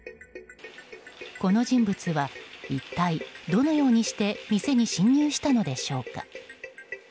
この人物は一体どのようにして店に侵入したのでしょうか。